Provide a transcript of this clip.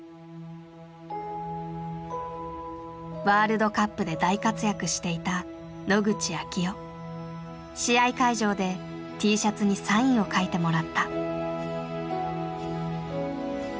ワールドカップで大活躍していた試合会場でＴシャツにサインを書いてもらった。